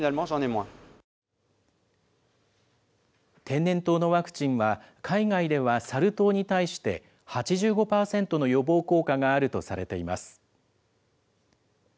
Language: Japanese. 天然痘のワクチンは、海外ではサル痘に対して８５％の予防効果があるとされています。